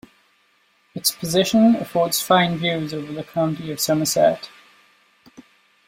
Its position affords fine views over the county of Somerset.